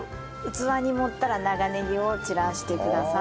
器に盛ったら長ネギを散らしてください。